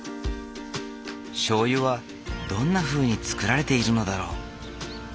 しょうゆはどんなふうに造られているのだろう。